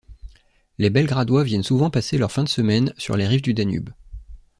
Les Belgradois viennent souvent passer leur fin de semaine sur les rives du Danube.